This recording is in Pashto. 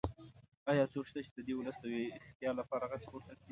ایا څوک شته چې د دې ولس د ویښتیا لپاره غږ پورته کړي؟